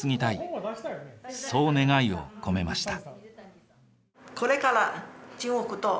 そう願いを込めました。